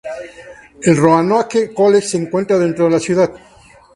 El "Roanoke College" se encuentra dentro de la ciudad.